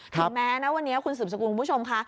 ถึงแม้นะวันนี้คุณสืบสกุลคุณผู้ชมค่ะ